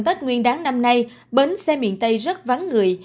tết nguyên đáng năm nay bến xe miền tây rất vắng người